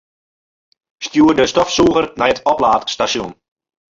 Stjoer de stofsûger nei it oplaadstasjon.